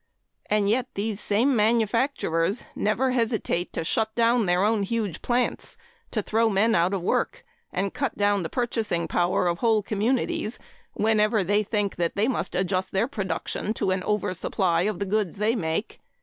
And yet these same manufacturers never hesitate to shut down their own huge plants, throw men out of work, and cut down the purchasing power of whole communities whenever they think that they must adjust their production to an oversupply of the goods they make.